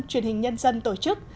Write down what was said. truyền hình nhân dân tổ chức